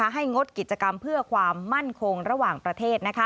งดกิจกรรมเพื่อความมั่นคงระหว่างประเทศ